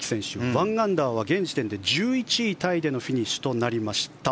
１アンダーは現時点で１１位タイでのフィニッシュとなりました。